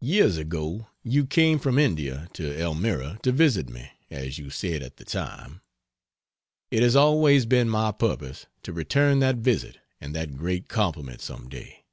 Years ago you came from India to Elmira to visit me, as you said at the time. It has always been my purpose to return that visit and that great compliment some day.